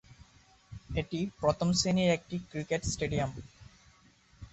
এটি প্রথম শ্রেণীর একটি ক্রিকেট স্টেডিয়াম।